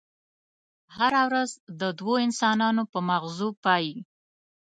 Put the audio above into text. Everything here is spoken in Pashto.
هره ورځ د دوو انسانانو په ماغزو پايي.